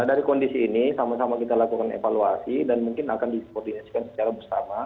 nah dari kondisi ini sama sama kita lakukan evaluasi dan mungkin akan dikoordinasikan secara bersama